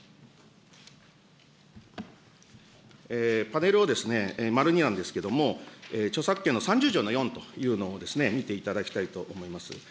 パネルを丸２なんですけれども、著作権の３０条の４というのを見ていただきたいと思います。